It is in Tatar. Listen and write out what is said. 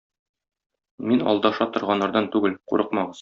Мин алдаша торганнардан түгел, курыкмагыз.